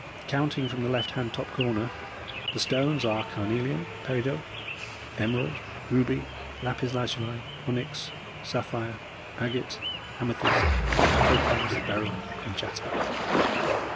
Counting from the left hand top corner, the stones are carnelian, peridot, emerald, ruby, lapis lazuli, onyx, sapphire, agate, amethyst, topaz, beryl, and jasper."